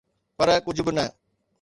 پر ڪجھ به نه.